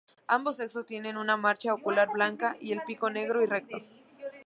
Ambos sexos tienen una mancha ocular blanca y el pico negro y recto.